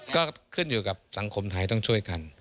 ก็ขึ้นอยู่กับสังคมไทยต้องช่วยกัน